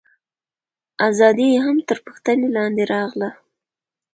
ازادي یې هم تر پوښتنې لاندې راغله.